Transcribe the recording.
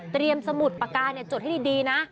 เตรียมสมุดปากกาจดให้ดีนะ